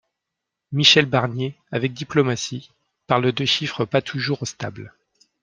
Michel Barnier, avec diplomatie, parle de chiffres pas toujours stables.